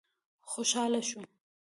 خوشاله شو.